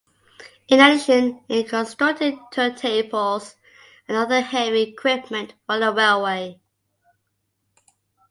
In addition it constructed turntables and other heavy equipment for the railway.